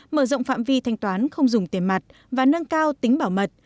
mở rộng phạm vi thanh toán không dùng tiền mặt và nâng cao tính bảo mật